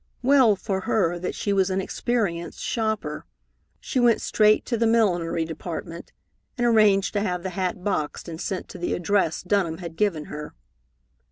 Well for her that she was an experienced shopper. She went straight to the millinery department and arranged to have the hat boxed and sent to the address Dunham had given her.